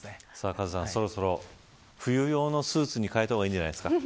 カズさん、そろそろ冬用のスーツに変えた方がいいんじゃないですか。